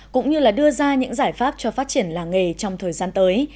cũng như là đưa ra những giải pháp cho phát triển làng nghề trong thời gian tới